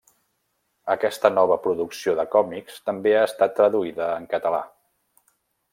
Aquesta nova producció de còmics també ha estat traduïda en català.